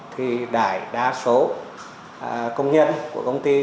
thì đại đa số công nhân của công ty